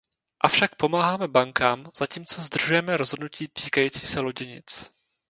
Avšak pomáháme bankám, zatímco zdržujeme rozhodnutí týkající se loděnic.